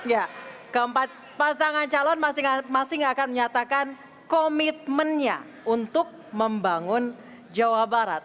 ya keempat pasangan calon masing masing akan menyatakan komitmennya untuk membangun jawa barat